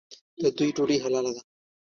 د دوی ډوډۍ حلاله ده.